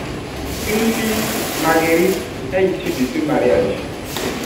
Une fille, Marguerite, est issue de ce mariage.